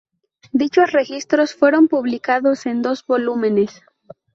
Dichos registros fueron publicados en dos volúmenes.